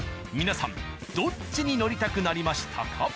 皆さんどっちに乗りたくなりましたか？